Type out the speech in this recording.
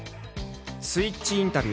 「スイッチインタビュー」。